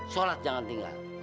sholat jangan tinggal